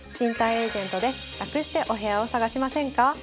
エージェントでラクしてお部屋を探しませんか？